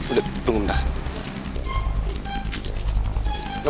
udah tunggu sebentar